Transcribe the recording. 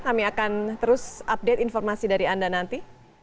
kami akan terus update informasi dari anda nanti